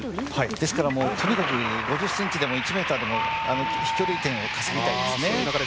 ですから、もうとにかく５０ｃｍでも１ｍでも飛距離点を稼ぎたいですね。